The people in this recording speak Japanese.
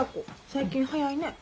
最近早いね。